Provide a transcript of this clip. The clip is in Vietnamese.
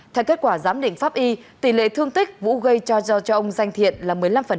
theo kết quả giám định pháp y tỷ lệ thương tích vũ gây cho ông danh thiện là một mươi năm